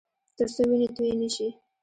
ترڅو وینې تویې نه شي